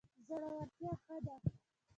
زړورتیا ښه ده.